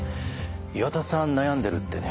岩田さん悩んでるってね。